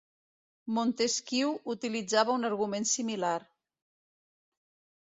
Montesquieu utilitzava un argument similar.